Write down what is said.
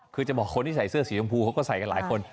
คือจะบอกคนที่ใส่เสื้อสีชมพูเขาก็ใส่กันหลายคน